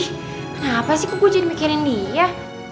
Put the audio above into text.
kenapa sih kok gue jadi mikirin dia